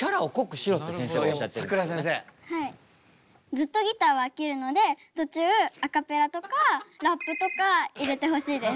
ずっとギターは飽きるので途中アカペラとかラップとか入れてほしいです。